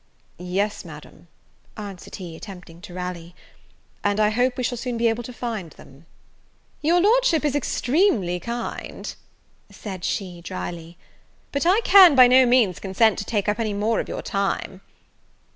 "Yes, Madam," answered he, attempting to rally, "and I hope we shall soon be able to find them." "Your Lordship is extremely kind," said she, drily, "but I can by no means consent to take up any more of your time."